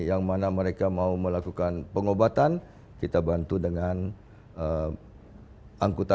yang mana mereka mau melakukan pengobatan kita bantu dengan angkutan